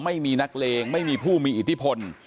ไม่มีนักเลงไม่มีผู้มีอิทธิพล